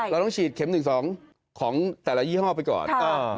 เราต้องฉีดเข็ม๑๒ของแต่ละยี่ห้อไปก่อน